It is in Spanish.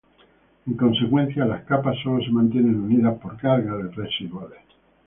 En consecuencia, las capas solo se mantienen unidas por cargas residuales.